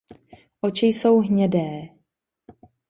Oči jsou hnědé.